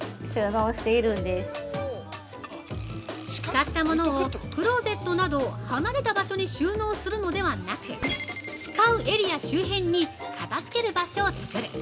◆使ったものをクローゼットなど、離れた場所に収納するのではなく使うエリア周辺に片づける場所を作る。